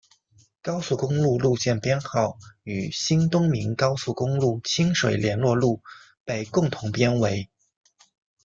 高速公路路线编号与新东名高速公路清水联络路被共同编为。